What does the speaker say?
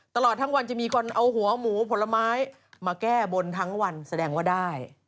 ตลอดทั้งวันจะมีคนเอาหัวหมูผลไม้มาแก้บนทั้งวันแสดงว่าได้